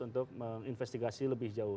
untuk menginvestigasi lebih jauh